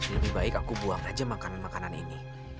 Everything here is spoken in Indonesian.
lebih baik aku buang aja makanan makanan ini